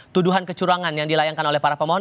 tuduhan kecurangan yang dilayangkan oleh para pemohon